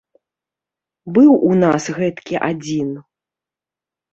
Быў у нас гэткі адзін.